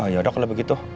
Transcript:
yaudah kalau begitu